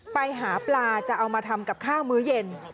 ไปหาปลาจะเอามาทำกับข้าวมื้อเย็น